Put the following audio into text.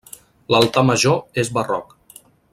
L'altar major és barroc.